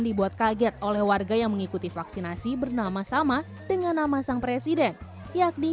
dibuat kaget oleh warga yang mengikuti vaksinasi bernama sama dengan nama sang presiden yakni